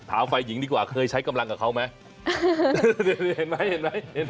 ถามไฟหญิงดีกว่าเคยใช้กำลังกับเขาไหม